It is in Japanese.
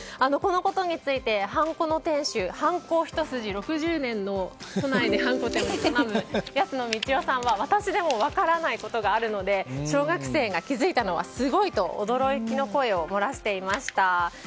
このことについてハンコ屋の店主ハンコ一筋６０年の都内でハンコ店を営む安野三千雄さんは私でも分からないことがあるので小学生が気付いたのはすごいと驚きの声を漏らしていました。